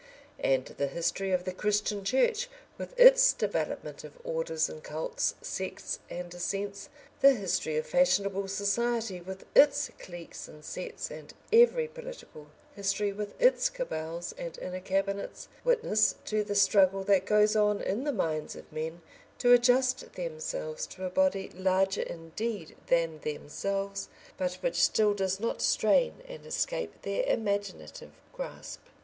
And the history of the Christian Church, with its development of orders and cults, sects and dissents, the history of fashionable society with its cliques and sets and every political history with its cabals and inner cabinets, witness to the struggle that goes on in the minds of men to adjust themselves to a body larger indeed than themselves, but which still does not strain and escape their imaginative grasp.